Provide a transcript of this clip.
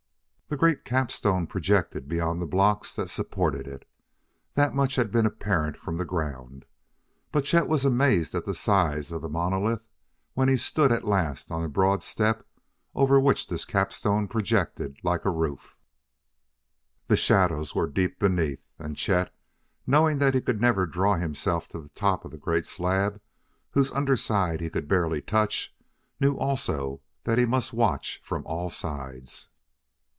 The great capstone projected beyond the blocks that supported it; that much had been apparent from the ground. But Chet was amazed at the size of the monolith when he stood at last on the broad step over which this capstone projected like a roof. The shadows were deep beneath, and Chet, knowing that he could never draw himself to the top of the great slab whose under side he could barely touch, knew also that he must watch from all sides.